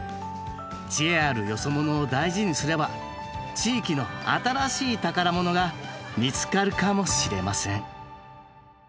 知恵あるよそ者を大事にすれば地域の新しい宝物が見つかるかもしれません。